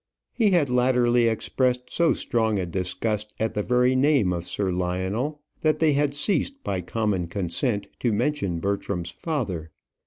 He had latterly expressed so strong a disgust at the very name of Sir Lionel, that they had ceased by common consent to mention Bertram's father.